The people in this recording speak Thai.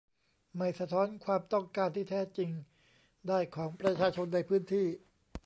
ไม่สะท้อนความต้องการที่แท้จริงได้ของประชาชนในพื้นที่